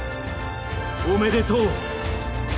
おめでとう！